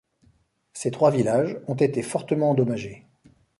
Ces trois villages ont été fortement endommagés.